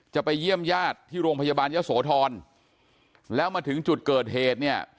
จะไปเยี่ยมญาติที่โรงพยาบาลยะโสธรแล้วมาถึงจุดเกิดเหตุเนี่ย